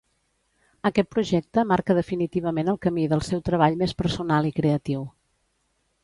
Aquest projecte marca definitivament el camí del seu treball més personal i creatiu.